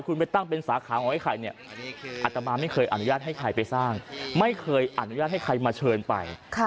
คุณไปตั้งเป็นสาขาของไอ้ไข่เนี่ยอัตมาไม่เคยอนุญาตให้ใครไปสร้างไม่เคยอนุญาตให้ใครมาเชิญไป